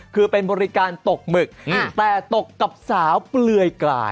คือเป็นบริการตกหมึกแต่ตกกับสาวเปลือยกลาย